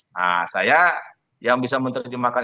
nah saya yang bisa menerjemahkan